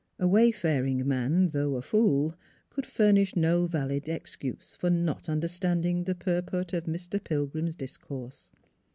A wayfaring man, though a fool, could furnish no valid excuse for not understand ing the purport of Mr. Pilgrim's discourse.